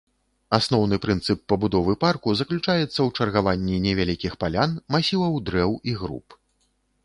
Асноўны прынцып пабудовы парку заключаецца ў чаргаванні невялікіх палян, масіваў дрэў і груп.